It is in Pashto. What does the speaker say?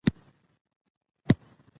د افغانستان نوم د احمدشاه بابا لوړ کړی دی.